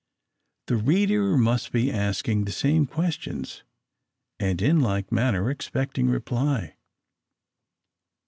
The reader may be asking the same questions, and in like manner expecting reply.